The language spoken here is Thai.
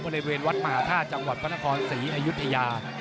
บริเวณวัดมหาธาตุจังหวัดพระนครศรีอยุธยา